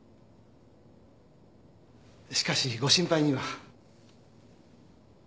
しかしご心配には。